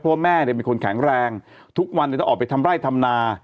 เพราะว่าแม่เป็นคนแข็งแรงทุกวันต้องออกไปทำไร่ทำนา